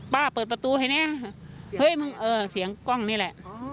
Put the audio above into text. เปิดประตูให้แน่เฮ้ยมึงเออเสียงกล้องนี่แหละ